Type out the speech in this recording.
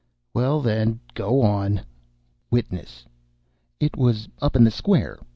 "Well, then, go on." WITNESS. "It was up in the Square.